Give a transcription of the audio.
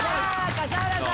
笠原さん！